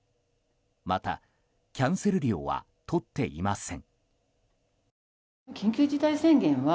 また、キャンセル料は取っていません。